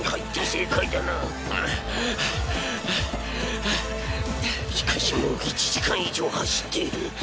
しかしもう１時間以上走っている。